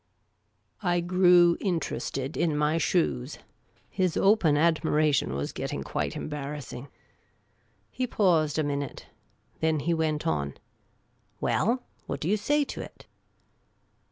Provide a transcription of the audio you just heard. I grew interested in my shoes. His open admiration was getting quite embarrassing. He paused a minute. Then he went on :Well, what do you say to it